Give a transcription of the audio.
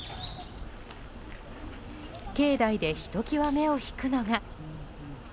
境内でひと際目を引くのが。